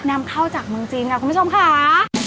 นำเข้าจากเมืองจีนค่ะคุณผู้ชมค่ะ